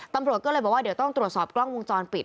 ตำรวจก็เลยบอกว่าเดี๋ยวต้องตรวจสอบกล้องวงจรปิด